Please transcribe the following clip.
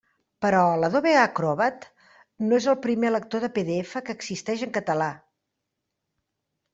Però l'Adobe Acrobat no és el primer lector de PDF que existeix en català.